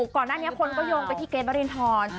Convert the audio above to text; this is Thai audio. ก่อนหน้านี้คนก็โยงไปที่เกรทวรินทร